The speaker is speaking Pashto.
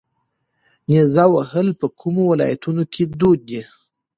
نیزه وهل په کومو ولایتونو کې دود دي؟